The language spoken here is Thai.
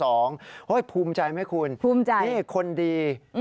ภูมิใจไหมคุณภูมิใจนี่คนดี